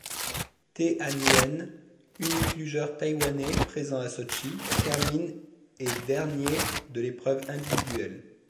Te-An Lien, unique lugeur taïwanais présent à Sotchi, termine et dernier de l'épreuve individuelle.